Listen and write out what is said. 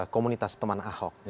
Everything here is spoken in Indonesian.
komunitas teman ahok